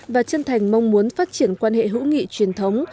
và chân thành mong muốn phát triển quan hệ hữu nghị truyền thống